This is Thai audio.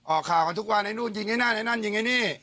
ออกข่าวกันทุกวันไอ้นู่นยิงไอ้นั่นไอ้นั่นยิงไอ้นี่